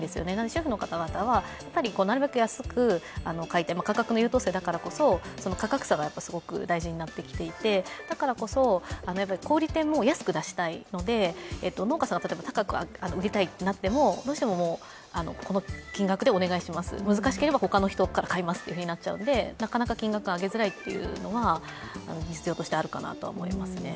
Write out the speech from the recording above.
主婦の方々はなるべく安く買いたい、価格の優等生だからこそ価格差がすごく大事になってきていて、だからこそ小売店も安く出したいので農家さんが例えば高く入れたいとなってもどうしてもこの金額でお願いします、難しければ他の人から買いますとなってしまうのでなかなか金額を上げづらいというのが現実としてあるかなと思いますね。